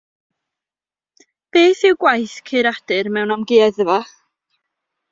Beth yw gwaith curadur mewn amgueddfa?